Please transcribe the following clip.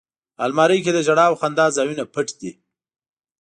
الماري کې د ژړا او خندا ځایونه پټ دي